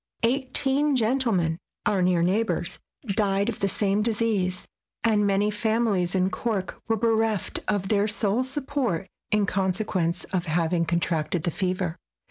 Eighteen gentlemen, our near neighbors, died of the same disease, and many families in Cork were bereft of their sole support in conse quence of having contracted the fever.